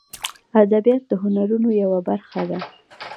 ادبیات د هنرونو یوه برخه ده